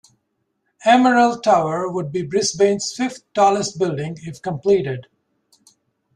Emerald Tower would be Brisbane's fifth tallest building if completed.